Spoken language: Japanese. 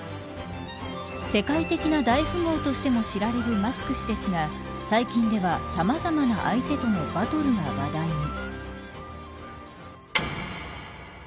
世界的な大富豪としても知られるマスク氏ですが最近ではさまざまな相手とのバトルが話題に。